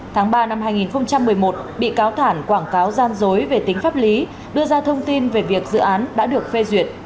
tháng ba năm hai nghìn một mươi một bị cáo thản quảng cáo gian dối về tính pháp lý đưa ra thông tin về việc dự án đã được phê duyệt